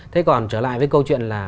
thế còn trở lại với câu chuyện là